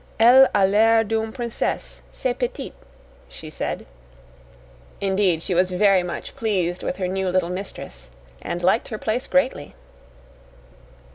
"Elle a l'air d'une princesse, cette petite," she said. Indeed, she was very much pleased with her new little mistress and liked her place greatly.